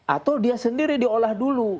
atau dia sendiri diolah dulu